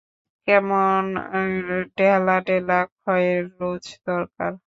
কেবল ড্যালা ড্যালা খয়ের রোজ দরকার।